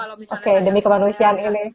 oke demi kemanusiaan ini